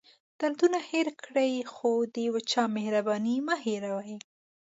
دردونه هېر کړئ خو د یو چا مهرباني مه هېروئ.